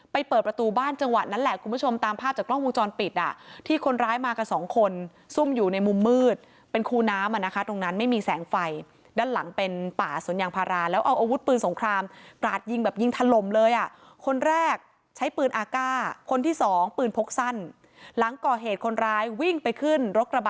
เปิดประตูบ้านจังหวะนั้นแหละคุณผู้ชมตามภาพจากกล้องวงจรปิดอ่ะที่คนร้ายมากันสองคนซุ่มอยู่ในมุมมืดเป็นคูน้ำอ่ะนะคะตรงนั้นไม่มีแสงไฟด้านหลังเป็นป่าสวนยางพาราแล้วเอาอาวุธปืนสงครามกราดยิงแบบยิงถล่มเลยอ่ะคนแรกใช้ปืนอากาศคนที่สองปืนพกสั้นหลังก่อเหตุคนร้ายวิ่งไปขึ้นรถกระบะ